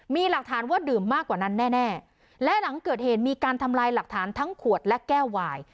มีหลักฐานว่าดื่มมากกว่านั้นแน่แน่และหลังเกิดเหตุมีการทำลายหลักฐานทั้งขวดและแก้ววาย